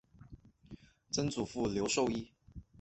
曾祖父刘寿一。